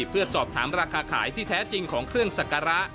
เพื่อสอบถามราคาขายที่แท้จริงของเครื่องสักการะ